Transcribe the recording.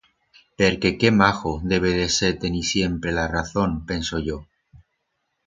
Perque qué majo debe de ser tenir siempre la razón, penso yo.